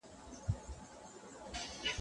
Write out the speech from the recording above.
سیاستوال باید د خلکو لپاره کار وکړي.